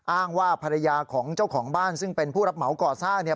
อ้างว่าภรรยาของเจ้าของบ้านซึ่งเป็นผู้รับเหมาก่อสร้างเนี่ย